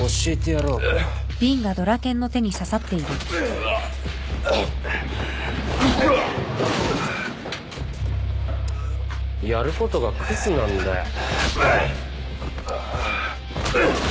やることがクズなんだよ。